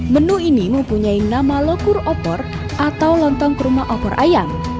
menu ini mempunyai nama lokur opor atau lontong kurma opor ayam